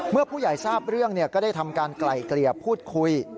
เมื่อผู้ใหญ่ทราบเรื่องก็ได้ทำการไกล่เกลี่ยพูดคุย